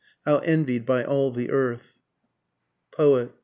How envied by all the earth. _Poet.